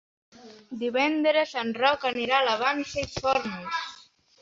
Divendres en Roc anirà a la Vansa i Fórnols.